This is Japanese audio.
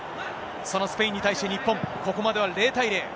そのスペインに対して、日本、ここまでは０対０。